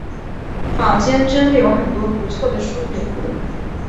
坊间真的有很多不错的书可以读